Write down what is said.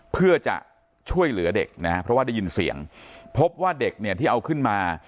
เพื่อจะช่วยเหลือเด็กนะฮะเพราะว่าได้ยินเสียงพบว่าเด็กเนี่ยที่เอาขึ้นมา